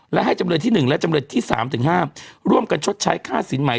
และให้จำเลยที่๑และจำเลยที่๓๕ร่วมกันชดใช้ค่าสินใหม่